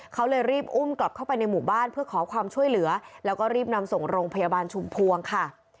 เขาเลยรีบอุ้มกลับเข้าไปในหมู่บ้านเพื่อขอความช่วยเหลือแล้วก็รีบนำส่งโรงพยาบาลชุมพวงค่ะ